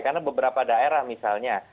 karena beberapa daerah misalnya